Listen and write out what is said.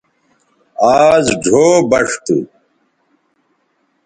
آز ڙھو بݜ تھو